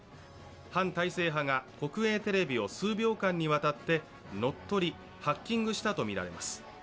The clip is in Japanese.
反体制派が国営テレビを数秒間にわたって乗っ取り＝ハッキングしたとみられます。